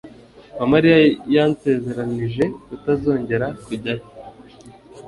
Uwamariya yansezeranije kutazongera kujyayo.